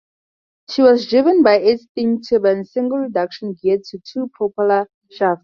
She was driven by eight steam turbines, single-reduction geared to two propeller shafts.